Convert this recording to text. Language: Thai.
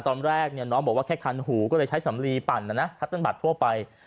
ตอนแรกน้องบอกว่าแค่คันหูก็เลยใช้สำลีปั่นนะนะคัตเติ้ลบัตรทั่วไป